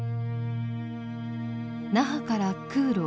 那覇から空路